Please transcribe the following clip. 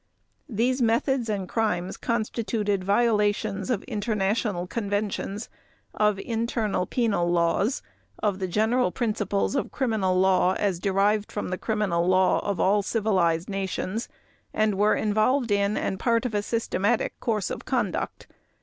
These methods and crimes constituted violations of international conventions, of internal penal laws, of the general principles of criminal law as derived from the criminal law of all civilized nations and were involved in and part of a systematic course of conduct.